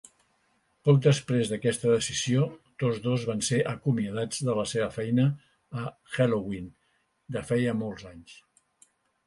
Poc després d'aquesta decisió, tots dos van ser acomiadats de la seva feina a Helloween de feia molts anys.